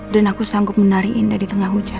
dan aku sanggup menari indah di tengah hujan